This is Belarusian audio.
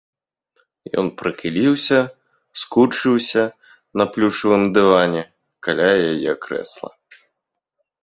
Ён прыхіліўся, скурчыўся на плюшавым дыване, каля яе крэсла.